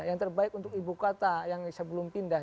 yang terbaik untuk ibu kota yang sebelum pindah